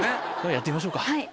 やってみましょうか。